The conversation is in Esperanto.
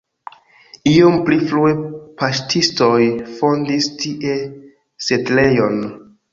Iom pli frue paŝtistoj fondis tie setlejon.